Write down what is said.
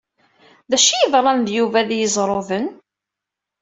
Acu yeḍṛan d Yuba di Iẓerruden?